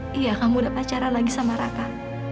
ayah iya kamu udah pacaran lagi sama raka